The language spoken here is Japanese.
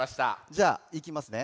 じゃあいきますね。